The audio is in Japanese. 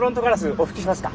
お拭きしますか？